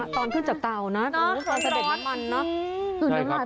ตอนเพื่อนจับเตานะตอนสะเด็ดน้ำมันนะ